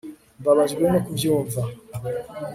mbabajwe no kubyumva